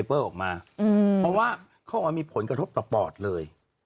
เพราะว่าเขาบอกว่ามีผลกระทบต่อปอดเลย